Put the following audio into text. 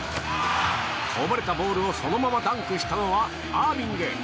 こぼれたボールをそのままダンクしたのはアービング。